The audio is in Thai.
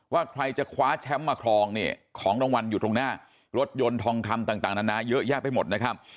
ใครจะคว้าแชมป์มาครองเนี่ยของรางวัลอยู่ตรงหน้ารถยนต์ทองคำต่างนานาเยอะแยะไปหมดนะครับ